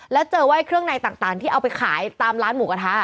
แล้วเจอว่าเครื่องในต่างที่เอาไปขายตามร้านหมูกระทะ